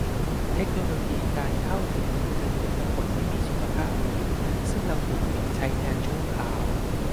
เทคโนโลยีการเข้าถึงมีประโยชน์ต่อคนที่มีสุขภาพดีซึ่งเราถูกปิดใช้งานชั่วคราว